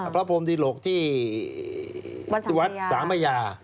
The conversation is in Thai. พระพรมดิหลกที่วัดสามพญา